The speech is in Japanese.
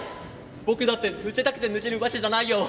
僕だって抜けたくて抜けるわけじゃないよ」。